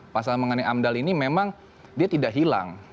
pasal mengenai amdal ini memang dia tidak hilang